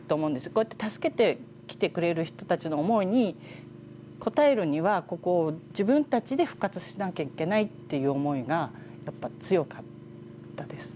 こうやって助けに来てくれる人たちの思いに応えるにはここを自分たちで復活しなきゃいけないっていう思いがやっぱ強かったです。